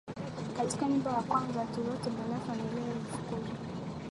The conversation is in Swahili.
Katika nyumba ya kwanza tuliyotembelea familia ilifukuzwa